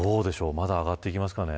まだ上がっていきますかね。